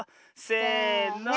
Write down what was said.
せの。